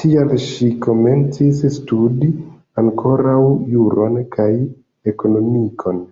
Tial ŝi komencis studi ankoraŭ juron kaj ekonomikon.